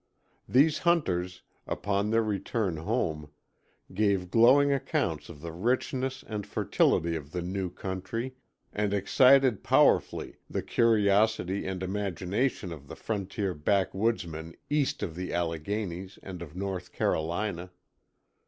These hunters, upon their return home, gave glowing accounts of the richness and fertility of the new country, and excited powerfully the curiosity and imagination of the frontier backwoodsmen east of the Alleghenies and of North Carolina.